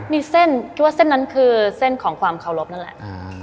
มีเส้นคิดว่าเส้นนั้นคือเส้นของความเคารพนั่นแหละ